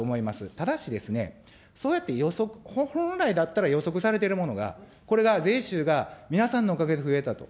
ただしですね、そうやって本来だったら予測されてるものが、これが税収が皆さんのおかげで増えたと。